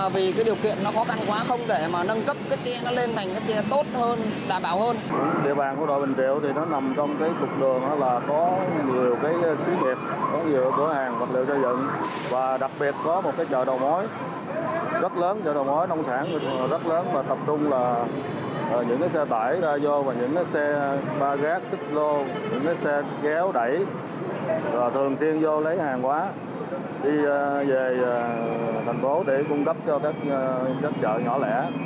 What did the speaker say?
và đặc biệt có một cái chợ đầu mối rất lớn chợ đầu mối nông sản rất lớn và tập trung là những cái xe tải ra vô và những cái xe ba gác xích lô những cái xe ghéo đẩy thường xuyên vô lấy hàng quá đi về thành phố để cung cấp cho các chợ nhỏ lẻ